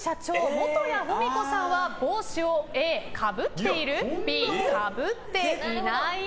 元谷芙美子さんは帽子をＡ、かぶっているＢ、かぶっていない。